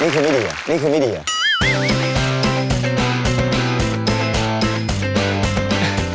นี่คือไม่ดีเหรอนี่คือไม่ดีเหรอ